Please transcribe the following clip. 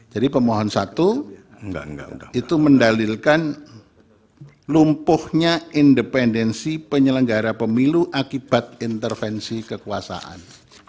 jadi pemohon satu itu mendalilkan lumpuhnya independensi penyelenggara pemilu akibat intervensi kekuasaan